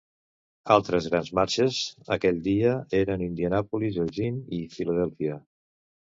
Altres grans marxes aquell dia eren Indianapolis, Eugene i Filadèlfia.